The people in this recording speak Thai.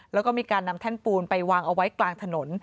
แล้วก็มีการนำแท่นปูนไปวางเอาไว้กลางถนน